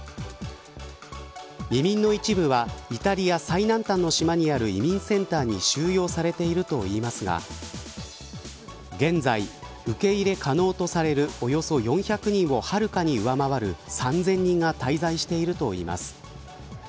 移民の一部はイタリア最南端の島にある移民センターに収容されているといいますが現在、受け入れ可能とされるおよそ４００人をはるかに上回る３０００人が滞在しているといいます。